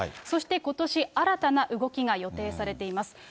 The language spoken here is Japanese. そしてことし、新たな動きが予定されています。